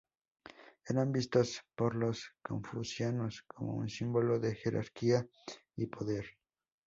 Eran vistos por los confucianos como un símbolo de jerarquía y poder.